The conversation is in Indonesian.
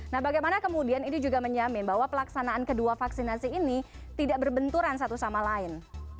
nah bagaimana kemudian ini juga menyamin bahwa pelaksanaan kedua vaksinasi ini tidak berbenturan satu sama lain